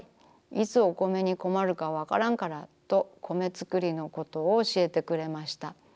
いつお米に困るかわからんからと米つくりのことを教えてくれました。